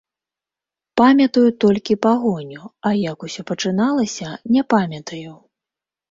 Памятаю толькі пагоню, а як усё пачыналася, не памятаю.